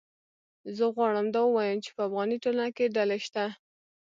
زه غواړم دا ووایم چې په افغاني ټولنه کې ډلې شته